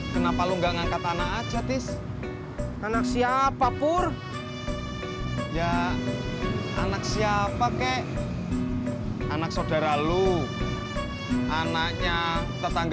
kenapa lu nggak ngangkat anak aja tis anak siapa pur ya anak siapa kek anak saudara lu anaknya ketam